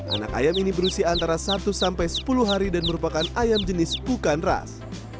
anak ayam ini berusia antara satu sampai sepuluh hari dan merupakan ayam jenis bukan ras